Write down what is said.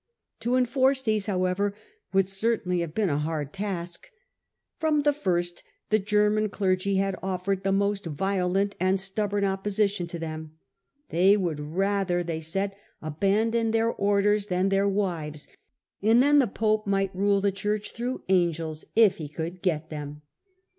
To enforce these, however, would certainly have been a hard task. From the first the German clergy had offered the most violent and stubborn opposition to them: they would rather, Digitized by VjOOQIC 1 1 HiLDEBRAND they said, abandon their orders than their wives, and then the pope might rule the Church through angels, if he could get them.